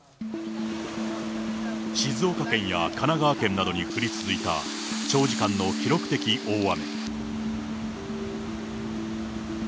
静岡県や神奈川県などに降り続いた、長時間の記録的大雨。